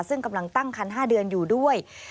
ซึ่งกำลังตั้งคัน๕เดือนอยู่ด้วย